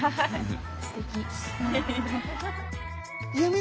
すてき。